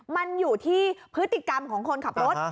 มันอยู่ที่พฤติกรรมของคนขับรถ